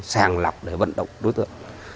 sàng lập để vận động đối tượng